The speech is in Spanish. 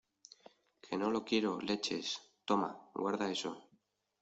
que no lo quiero, leches. toma , guarda eso .